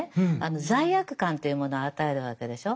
罪悪感というものを与えるわけでしょう。